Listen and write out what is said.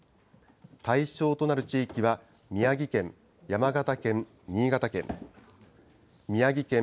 対象となる地域は、宮城県、山形県、新潟県。